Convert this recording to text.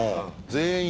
全員？